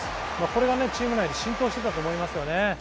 これがチーム内に浸透していたと思いますよね。